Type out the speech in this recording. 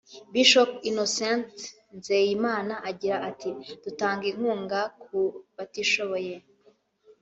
Bishop Innocent Nzeyimana agira ati “Dutanga inkunga ku batishoboye